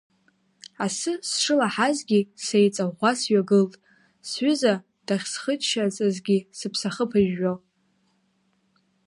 Асы сшылаҳазгьы сеиҵаӷәӷәа сҩагылт, сҩыза дахьсхыччаз азгьы сыԥсахы ԥыжәжәо.